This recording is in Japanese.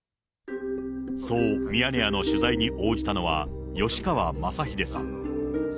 そうミヤネ屋の取材に応じたのは、吉川昌秀さん。